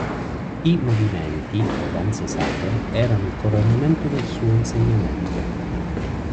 I "Movimenti" o "danze sacre" erano il coronamento del suo insegnamento.